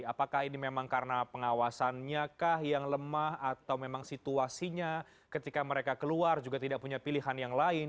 apakah ini memang karena pengawasannya kah yang lemah atau memang situasinya ketika mereka keluar juga tidak punya pilihan yang lain